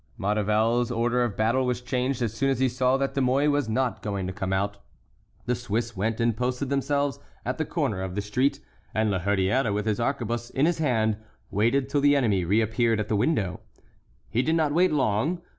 Maurevel's order of battle was changed as soon as he saw that De Mouy was not going to come out. The Swiss went and posted themselves at the other corner of the street, and La Hurière, with his arquebuse in his hand, waited till the enemy reappeared at the window. He did not wait long.